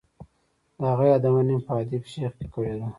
د هغه یادونه مې په ادیب شیخ کې کړې ده.